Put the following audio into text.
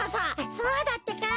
そうだってか！